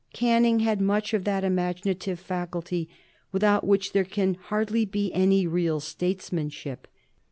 Canning had much of that imaginative faculty without which there can hardly be any real statesmanship.